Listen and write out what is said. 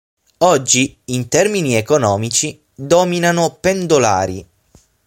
Oggi, in termini economici, dominano pendolari.